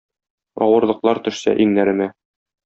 Авырлыклар төшсә иңнәремә